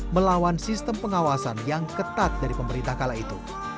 melawan sistem pengawasan yang ketat dari pemerintah kala itu